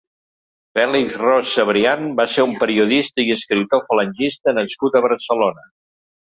Félix Ros Cebrián va ser un periodista i escriptor falangista nascut a Barcelona.